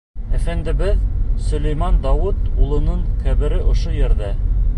Әфәндебеҙ Сөләймән Дауыт улының ҡәбере ошо ерҙә.